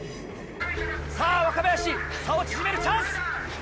さぁ若林差を縮めるチャンス！